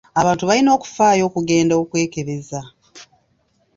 Abantu balina okufaayo okugenda okwekebeza.